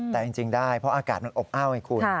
แต่จริงได้เพราะอากาศมันอบอ้าวไงคุณ